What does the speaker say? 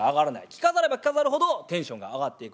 着飾れば着飾るほどテンションが上がっていく。